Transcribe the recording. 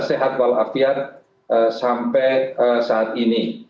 sehat walafiat sampai saat ini